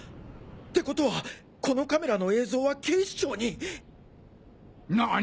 ってことはこのカメラの映像は警視庁に